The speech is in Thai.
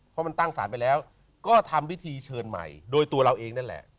เพราะมันตั้งสารไปแล้วก็ทำพิธีเชิญใหม่โดยตัวเราเองนั่นแหละ